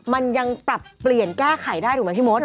มันยังปรับเปลี่ยนกล้าไขได้ไหมพี่โมท